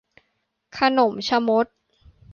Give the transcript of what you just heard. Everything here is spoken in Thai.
ขนมชะมด